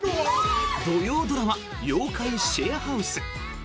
土曜ドラマ「妖怪シェアハウス」。